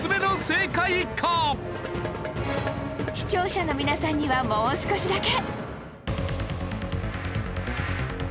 視聴者の皆さんにはもう少しだけ